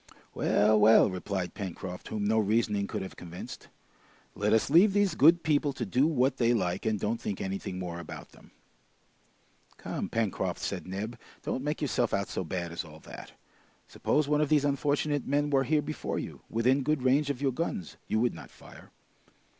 "Well, well!" replied Pencroft, whom no reasoning could have convinced. "Let us leave these good people to do what they like, and don't think anything more about them!" "Come, Pencroft," said Neb, "don't make yourself out so bad as all that! Suppose one of these unfortunate men were here before you, within good range of your guns, you would not fire."